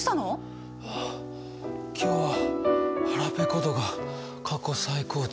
ああ今日は腹ぺこ度が過去最高値。